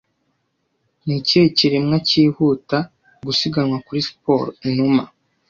Ni ikihe kiremwa cyihuta gusiganwa kuri siporo Inuma